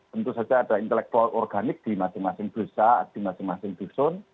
tentu saja ada intelektual organik di masing masing desa di masing masing dusun